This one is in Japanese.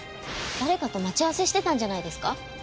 誰かと待ち合わせしてたんじゃないですか？